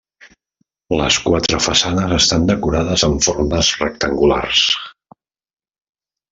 Les quatre façanes estan decorades amb formes rectangulars.